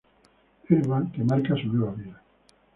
El ba quien marca su nueva vida.